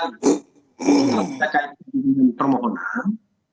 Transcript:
itu tidak kait dengan permohonan